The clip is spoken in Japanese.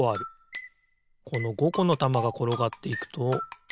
この５このたまがころがっていくとあながあるな。